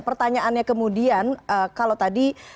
pertanyaannya kemudian kalau tadi